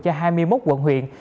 cho hai mươi một quận huyện